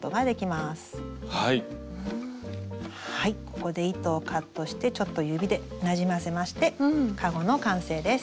ここで糸をカットしてちょっと指でなじませましてかごの完成です。